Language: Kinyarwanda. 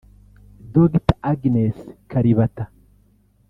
Dr Agnes Kalibata